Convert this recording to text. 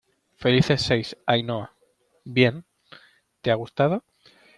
felices seis, Ainhoa. ¡ bien! ¿ te ha gustado?